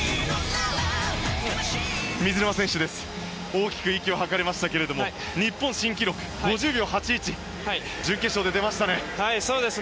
大きく息を吐かれましたけれども日本新記録５０秒８１準決勝で出ましたね。